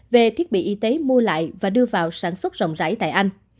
về thiết bị y tế mua lại và đưa vào sản xuất rộng rãi tại anh